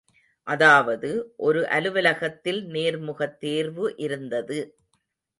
அதாவது, ஒரு அலுவலகத்தில் நேர்முக தேர்வு இருந்தது.